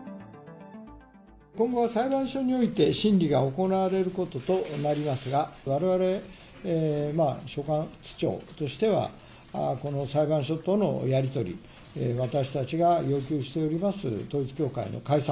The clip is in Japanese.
今後裁判所において審理が行われることとなりますが、われわれ、所轄庁としては、この裁判所とのやり取り、私たちが要求しております統一教会の解散、